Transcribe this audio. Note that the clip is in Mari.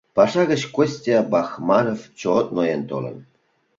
Паша гыч Костя Бахманов чот ноен толын.